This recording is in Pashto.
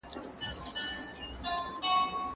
زه به د خپلو موخو په ترلاسه کولو ډېر خوشاله سم.